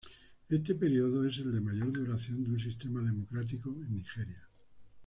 Este periodo es el de mayor duración de un sistema democrático en Nigeria.